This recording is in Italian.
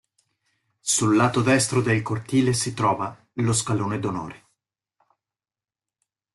Sul lato destro del cortile si trova lo scalone d'onore.